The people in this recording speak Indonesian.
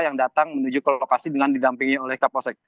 yang datang menuju ke lokasi dengan didampingi oleh kapolsek